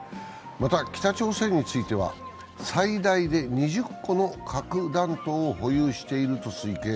また、北朝鮮については最大で２０個の核弾頭を保有していると推計。